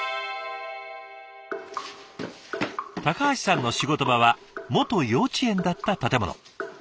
橋さんの仕事場は元幼稚園だった建物。